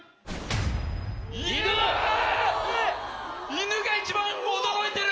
いぬが一番驚いてる！